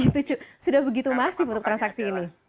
sudah begitu masif untuk transaksi ini